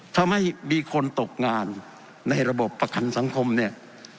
ทำให้มีคนตกงานในระบบประกันสังคมเนี่ย